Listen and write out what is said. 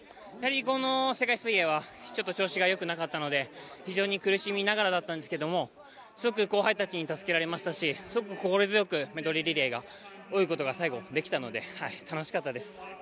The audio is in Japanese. この世界水泳は調子がよくなかったので非常に苦しみながらだったんでしたが後輩たちに助けられましたし心強くメドレーリレーを泳ぐことができたので楽しかったです。